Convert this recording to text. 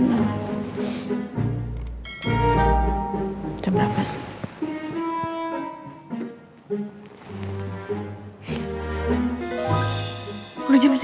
penularan panda kalah beliaunya ada